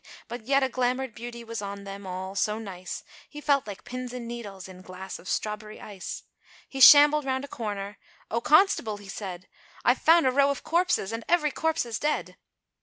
But yet a glamoured beauty was on them all, so nice, He felt like pins and needles, in glass of strawberry ice, He shambled round a corner, "O Constable!" he said, "I've found a row of corpses, and every corpse is dead!"